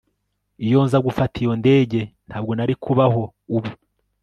Iyo nza gufata iyo ndege ntabwo nari kubaho ubu